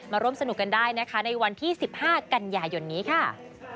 ร่วมสนุกกันได้นะคะในวันที่๑๕กันยายนนี้ค่ะ